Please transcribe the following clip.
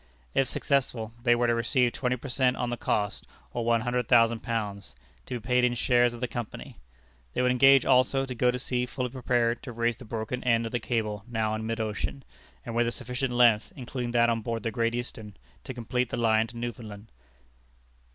If successful, they were to receive twenty per cent. on the cost, or one hundred thousand pounds, to be paid in shares of the Company. They would engage, also, to go to sea fully prepared to raise the broken end of the cable now in mid ocean, and with a sufficient length, including that on board the Great Eastern, to complete the line to Newfoundland.